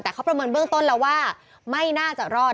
แต่เขาประเมินเบื้องต้นแล้วว่าไม่น่าจะรอด